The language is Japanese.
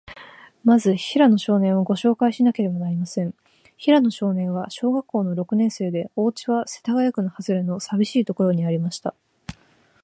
まず、平野少年を、ごしょうかいしなければなりません。平野少年は、小学校の六年生で、おうちは、世田谷区のはずれの、さびしいところにありました。